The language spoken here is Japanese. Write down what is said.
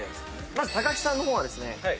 まず木さんの方はですね